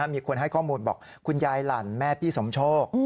มีคนให้ข้อมูลบอกคุณยายหลั่นแม่พี่สมโชค